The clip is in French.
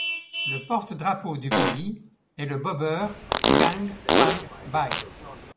Le porte-drapeau du pays est le bobeur Kang Kwang-Bae.